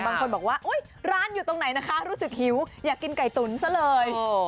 บางคนบอกว่าร้านอยู่ตรงไหนนะคะรู้สึกหิวอยากกินไก่ตุ๋นซะเลย